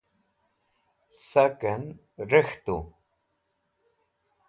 sak'en rek̃htu